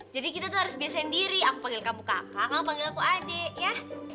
jadi kita tuh harus biasain diri aku panggil kamu kakak kamu panggil aku adik ya